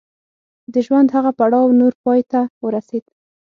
د ژوند هغه پړاو نور پای ته ورسېد.